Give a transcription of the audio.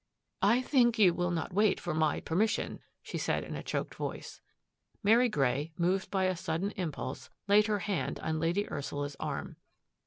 " I think you will not wait for my permission," she said in a choked voice. Mary Grey, moved by a sudden impulse, laid her hand on Lady Ursula's arm.